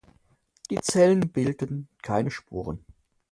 Die Zellen bilden keine Sporen.